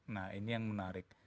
nah ini yang menarik